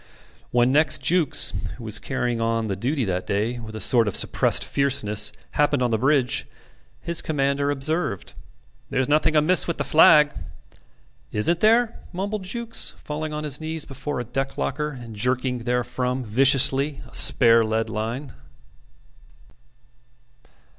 When next Jukes, who was carrying on the duty that day with a sort of suppressed fierceness, happened on the bridge, his commander observed: "There's nothing amiss with that flag." "Isn't there?" mumbled Jukes, falling on his knees before a deck locker and jerking therefrom viciously a spare lead line.